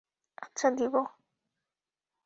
আচ্ছা, দিবো।